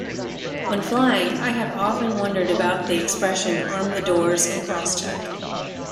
When flying, I have often wondered about the expression Arm the Doors and Crosscheck